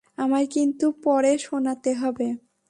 আমায় কিন্তু পড়ে শোনাতে হবে।